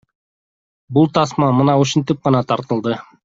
Бул тасма мына ушинтип гана тартылды.